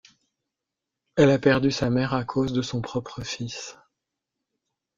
Elle a perdu sa mère à cause de son propre fils.